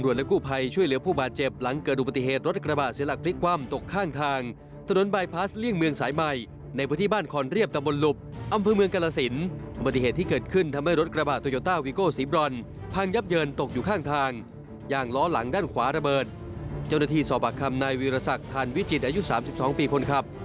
เจ้าหน้าที่สอบบักคำในวิราศักดิ์ธรรมวิจิตรอายุ๓๒ปีคนครับ